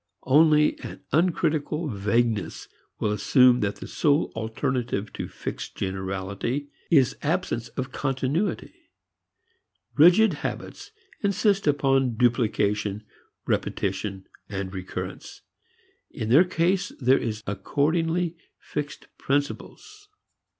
Only an uncritical vagueness will assume that the sole alternative to fixed generality is absence of continuity. Rigid habits insist upon duplication, repetition, recurrence; in their case there is accordingly fixed principles.